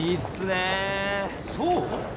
そう？